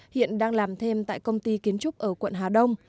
hiện đang làm thêm tại công ty kiến trúc ở quận hà đông